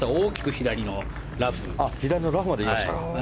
左のラフまで行きましたか。